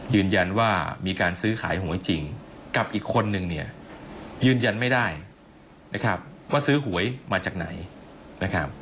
ยืนยันว่ามีการซื้อขายหวยจริงกับอีกคนนึงยืนยันไม่ได้ว่าซื้อหวยมาจากไหน